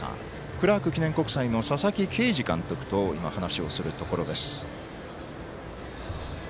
クラーク記念国際佐々木啓司監督と今、話をするところです。